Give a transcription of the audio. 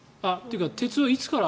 鉄はいつから？